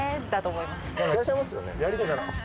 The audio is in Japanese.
いらっしゃいますよね。